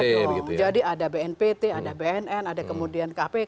betul jadi ada bnpt ada bnn ada kemudian kpk